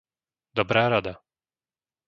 Dobrá rada...